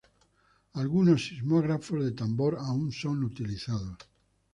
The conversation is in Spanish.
Algunos sismógrafos de tambor aún son utilizados.